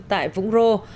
tại hồ chí minh